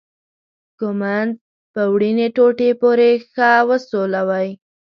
ږمنځ په وړینې ټوټې پورې ښه وسولوئ.